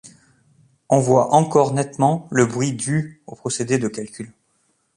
On voit encore nettement le bruit dû au procédé de calcul.